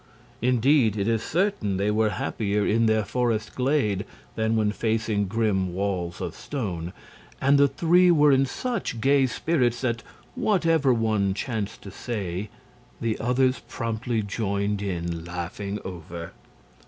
Indeed, it is certain they were happier in their forest glade than when facing grim walls of stone, and the three were in such gay spirits that whatever one chanced to say the others promptly joined in laughing over.